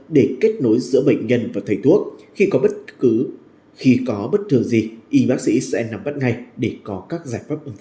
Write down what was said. để kết nối giữa bệnh nhân và thầy thuốc khi có bất thường gì y bác sĩ sẽ nằm bắt ngay để có các giải pháp ứng phó